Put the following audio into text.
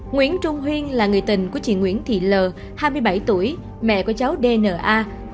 nguyễn trung huyên là người tình của chị nguyễn thị l hai mươi bảy tuổi mẹ của cháu dna